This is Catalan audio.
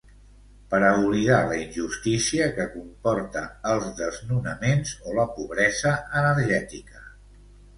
Per a oblidar la injustícia que comporta els desnonaments o la pobresa energètica.